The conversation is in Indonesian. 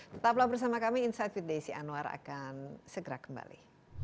tetaplah bersama kami insight with desi anwar akan segera kembali